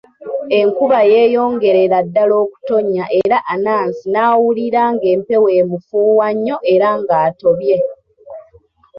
Enkuba yeeyongerera ddala okutonnya era Anansi n'awulira ng'empewo emufuuwa nnyo era ng'atobye.